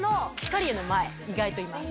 意外といます。